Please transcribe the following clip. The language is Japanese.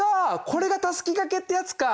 これがたすきがけってやつか。